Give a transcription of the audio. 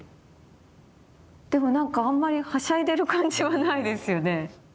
でもなんかあんまりはしゃいでる感じはないですよね。